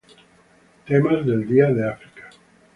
Temas del Día de África